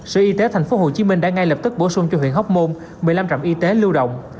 sở y tế tp hcm đã ngay lập tức bổ sung cho huyện hóc môn một mươi năm trạm y tế lưu động